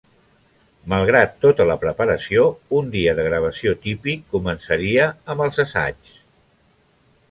Malgrat tota la preparació, un dia de gravació típic començaria amb els assaigs.